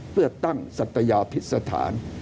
เพื่อตั้งสัตยาพิษฐาน